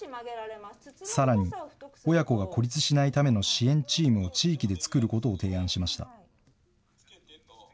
さらに、親子が孤立しないための支援チームを地域で作ることを提案しました。